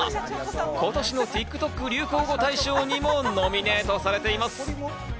今年のＴｉｋＴｏｋ流行語大賞にもノミネートされています。